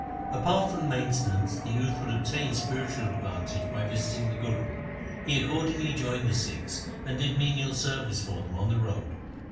1 Apart from maintenance the youth would obtain spiritual advantage by visiting the Guru. He ac cordingly joined the Sikhs, and did menial service for them on the road.